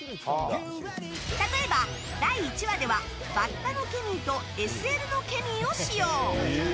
例えば、第１話ではバッタのケミーとＳＬのケミーを使用。